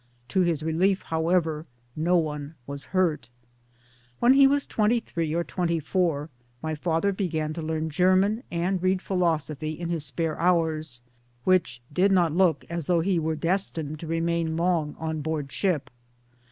To his relief, however, no one was hurt 1 When he was twenty three or twenty four my father began to learn German and read philosophy in his spare hours, which did not look as though he were destined to remain long on board ship